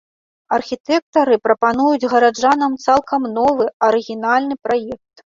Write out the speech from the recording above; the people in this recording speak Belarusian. Архітэктары прапануюць гараджанам цалкам новы, арыгінальны праект.